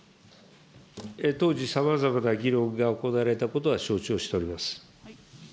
当時、さまざまな議論が行われたことは承知をしております。